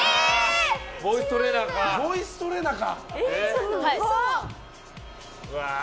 ボイストレーナーか。